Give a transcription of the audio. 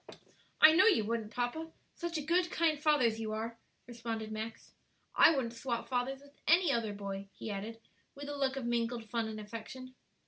"I know you wouldn't, papa; such a good, kind father as you are," responded Max. "I wouldn't swap fathers with any other boy," he added, with a look of mingled fun and affection.